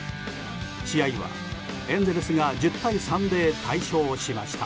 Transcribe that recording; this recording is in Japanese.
試合は、エンゼルスが１０対３で大勝しました。